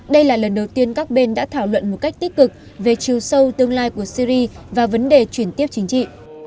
đây là lần đầu tiên các bên đã thảo luận một cách tích cực về chiều sâu tương lai của syri và vấn đề chuyển tiếp chính trị